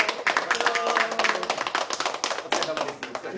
お疲れさまです。